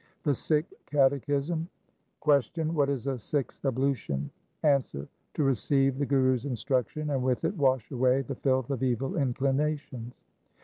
2 The Sikh catechism :— Q. What is a Sikh's ablution ? A. To receive the Guru's instruction and with it wash away the filth of evil inclinations.